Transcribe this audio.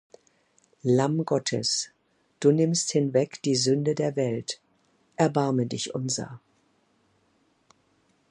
Lamm Gottes, du nimmst hinweg die Sünde der Welt, erbarme dich unser.